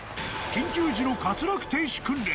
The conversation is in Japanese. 緊急時の滑落停止訓練。